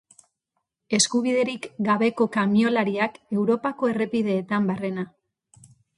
Eskubiderik gabeko kamioilariak Europako errepideetan barrena.